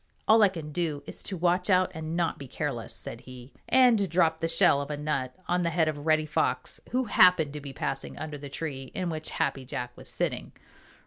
"All I can do is to watch out and not be careless," said he, and dropped the shell of a nut on the head of Reddy Fox, who happened to be passing under the tree in which Happy Jack was sitting.